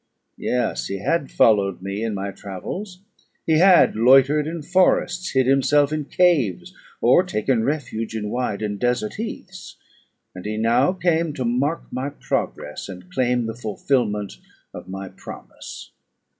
Yes, he had followed me in my travels; he had loitered in forests, hid himself in caves, or taken refuge in wide and desert heaths; and he now came to mark my progress, and claim the fulfilment of my promise.